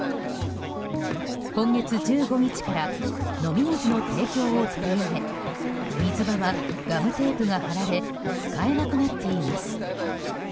今月１５日から飲み水の提供を取りやめ水場はガムテープが貼られ使えなくなっています。